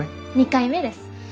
２回目です。